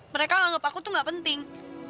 mereka menganggap aku tuh gak penting